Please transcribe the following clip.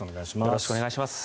よろしくお願いします。